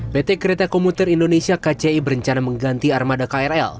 pt kereta komuter indonesia kci berencana mengganti armada krl